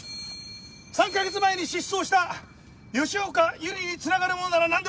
３カ月前に失踪した吉岡百合に繋がるものならなんでも構わん！